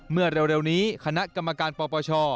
เมื่อเร็วนี้คณะกรรมการปปช